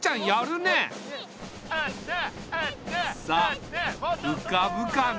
さあうかぶかな？